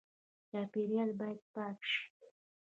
چاپیریال باید پاک شي